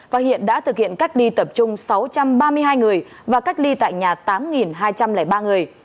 và hiện đã thực hiện cách ly tập trung sáu trăm ba mươi hai người và cách ly tại nhà tám hai trăm linh ba người